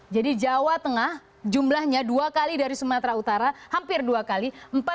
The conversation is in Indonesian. jadi jawa tengah jumlahnya dua kali dari sumatera utara hampir dua kali